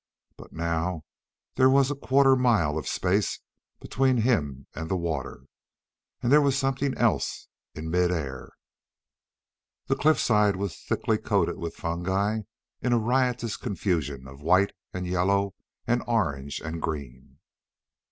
But now there was a quarter mile of space between himself and the water. And there was something else in mid air. The cliffside was thickly coated with fungi in a riotous confusion of white and yellow and orange and green.